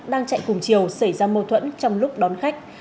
đang chạy cùng chiều xảy ra mâu thuẫn trong lúc đón khách